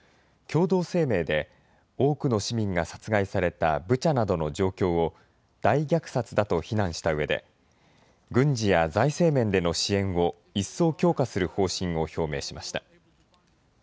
共同声明で、多くの市民が殺害されたブチャなどの状況を、大虐殺だと非難したうえで、軍事や財政面での支援を一層強化する方針を表明しました。